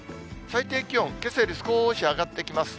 最低気温、けさより少し上がってきます。